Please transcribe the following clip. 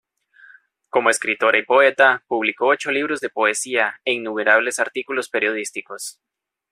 Como escritora y poeta, publicó ocho libros de poesía e innumerables artículos periodísticos.